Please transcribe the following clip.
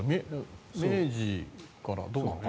明治かな、どうなのかな。